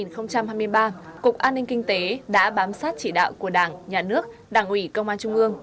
năm hai nghìn hai mươi ba cục an ninh kinh tế đã bám sát chỉ đạo của đảng nhà nước đảng ủy công an trung ương